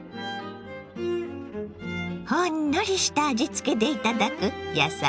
ほんのりした味付けで頂く野菜